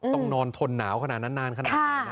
ต้องนอนทนหนาวขนาดนั้นขนาดนี้